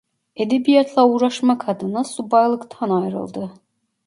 Edebiyatla uğraşmak adına subaylıktan ayrıldı.